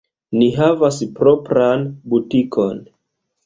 Ni havas propran butikon.